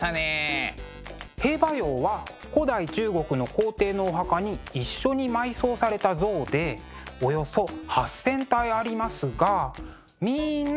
「兵馬俑」は古代中国の皇帝のお墓に一緒に埋葬された像でおよそ８，０００体ありますがみんな顔が違うんですよね。